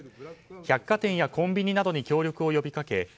百貨店やコンビニなどに協力を呼びかけ